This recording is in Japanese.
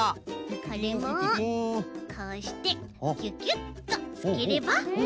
これもこうしてキュキュッとつければ。